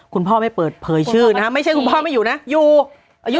คุณพ่อไม่เปิดเผยชื่อนะไม่ใช่คุณพ่อไม่อยู่นะอยู่อายุ